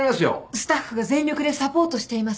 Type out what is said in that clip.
スタッフが全力でサポートしています。